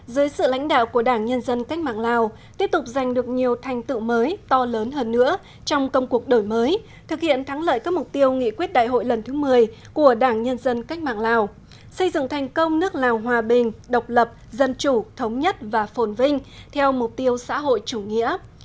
dưới sự lãnh đạo của đảng nhân dân cách mạng lào tiếp tục giành được nhiều thành tựu mới to lớn hơn nữa trong công cuộc đổi mới thực hiện thắng lợi các mục tiêu nghị quyết đại hội lần thứ một mươi của đảng nhân dân cách mạng lào xây dựng thành công nước lào hòa bình độc lập dân chủ thống nhất và phồn vinh theo mục tiêu xã hội chủ nghĩa